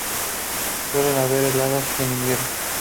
Suelen haber heladas en invierno.